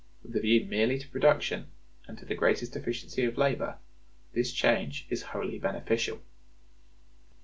With a view merely to production, and to the greatest efficiency of labor, this change is wholly beneficial.